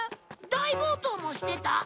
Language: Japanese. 大暴投もしてた。